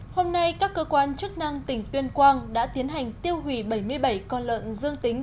hôm nay các cơ quan chức năng tỉnh tuyên quang đã tiến hành tiêu hủy bảy mươi bảy con lợn dương tính